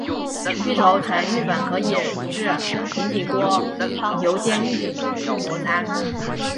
芋头成芋粉可以制平底锅油煎芋饼薄餐。